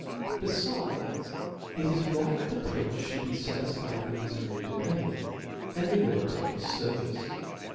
Befides, it is right the prince (hould be fatisfied with his own demcfne, and Che military fervice.